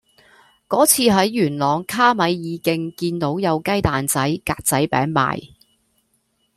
嗰次喺元朗卡米爾徑見到有雞蛋仔格仔餅賣